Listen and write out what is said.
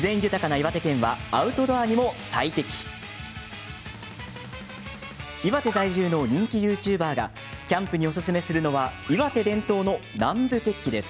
岩手在住の人気ＹｏｕＴｕｂｅｒがキャンプにおすすめするのは岩手伝統の南部鉄器です。